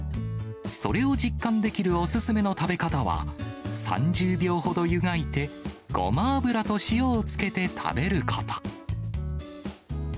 それを実感できるお勧めの食べ方は、３０秒ほど湯がいて、ごま油と塩をつけて食べること。